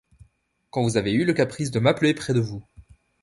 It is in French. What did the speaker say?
Quand vous avez eu le caprice de m'appeler près de vous.